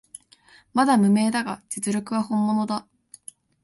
まだ無名だが実力は本物だ